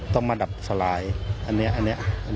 คุณยายบอกว่ารู้สึกเหมือนใครมายืนอยู่ข้างหลัง